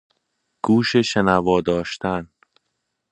گوش شنوا داشتن